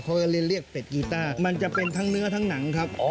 เขาก็เลยเรียกเป็ดกีต้ามันจะเป็นทั้งเนื้อทั้งหนังครับ